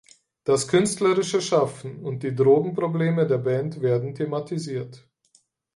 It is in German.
Das künstlerische Schaffen und die Drogenprobleme der Band werden thematisiert.